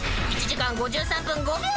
［１時間５３分５秒］